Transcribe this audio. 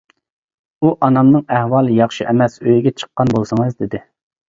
ئۇ «ئانامنىڭ ئەھۋالى ياخشى ئەمەس، ئۆيگە چىققان بولسىڭىز» دېدى.